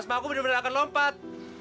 sama aku benar benar akan lompat